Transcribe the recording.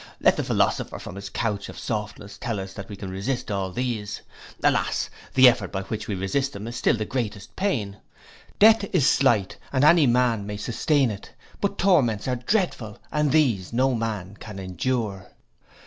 Let the philosopher from his couch of softness tell us that we can resist all these. Alas! the effort by which we resist them is still the greatest pain! Death is slight, and any man may sustain it; but torments are dreadful, and these no man can endure.